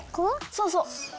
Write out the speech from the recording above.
そうそう。